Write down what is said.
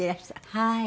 はい。